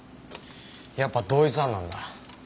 やっぱ同一犯なんだ。